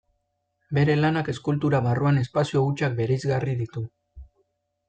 Bere lanak eskultura barruan espazio hutsak bereizgarri ditu.